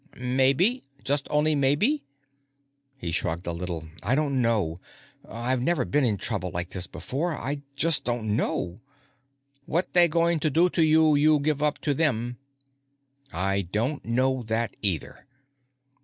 "Maybe? Just only maybe?" He shrugged a little. "I don't know. I've never been in trouble like this before. I just don't know." "What they going to do to you, you give up to them?" "I don't know that, either."